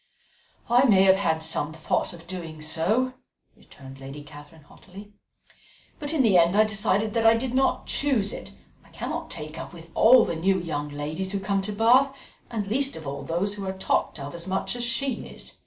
"I may have had some thoughts of doing so," returned Lady Catherine haughtily; "but in the end I decided that I did not choose it; I cannot take up with all the new young ladies who come to Bath, and least of all those who are talked of as much as she is.